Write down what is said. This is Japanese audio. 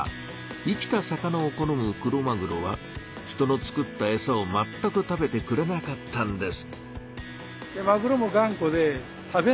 生きた魚を好むクロマグロは人の作ったエサをまったく食べてくれなかったんです。